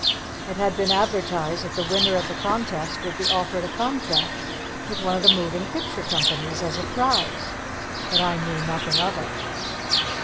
It had been advertised that the winner of the contest would be offered a contract with one of the moving picture companies as a prize, but I knew nothing of it.